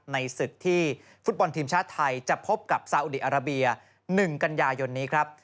ในศึกที่ฟุตบอลทีมชาติไทยจะพบกับซาอุดีอาราเบีย๑กันยายนนี้ครับ